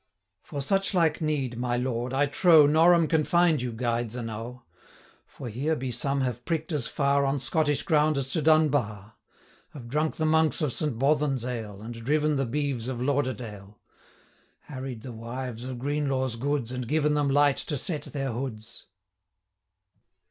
'For such like need, my lord, I trow, Norham can find you guides enow; For here be some have prick'd as far, On Scottish ground, as to Dunbar; 305 Have drunk the monks of St. Bothan's ale, And driven the beeves of Lauderdale; Harried the wives of Greenlaw's goods, And given them light to set their hoods.'